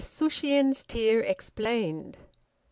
SHUSHIONS'S TEAR EXPLAINED.